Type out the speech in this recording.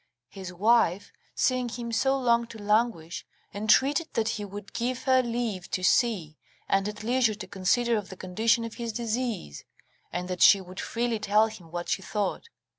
His wife seeing him so long to languish, entreated that he would give her leave to see and at leisure to consider of the condition of his disease, and that she would freely tell him what she thought.